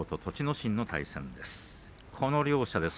心の対戦です。